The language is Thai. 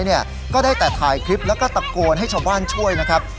เนี่ยก็ได้แต่ถ่ายคลิปแล้วก็ตะโกนให้ชาวบ้านช่วยนะครับ